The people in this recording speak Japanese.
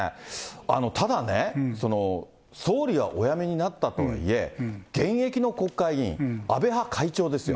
ただね、総理はお辞めになったとはいえ、現役の国会議員、安倍派会長ですよ。